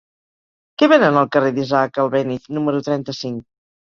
Què venen al carrer d'Isaac Albéniz número trenta-cinc?